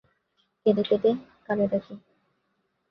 কেঁদে কেঁদে কারে ডাকি।